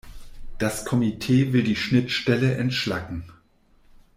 Das Komitee will die Schnittstelle entschlacken.